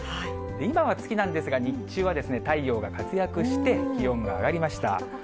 今は月なんですが、日中は太陽が活躍して、気温が上がりました。